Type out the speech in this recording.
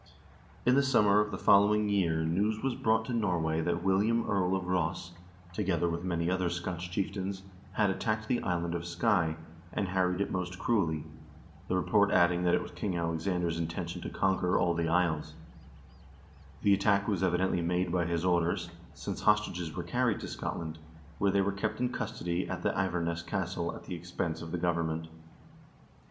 In the summer of the following year news was 1 Norge8 gamle Love, vol. I., p. 460. HAAKON HAAKONSSON'S EXPEDITION TO THE HEBRIDES 439 brought to Norway that William Earl of Ross, together with many other Scotch chieftains, had attacked the island of Skye, and harried it most cruelly, the report adding that it was King Alexander's intention to conquer all the isles. The attack was evidently made by his orders, since hostages were carried to Scotland, where they were kept in custody at the Iverness castle at the expense of the government.